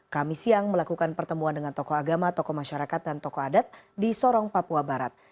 kami siang melakukan pertemuan dengan tokoh agama tokoh masyarakat dan tokoh adat di sorong papua barat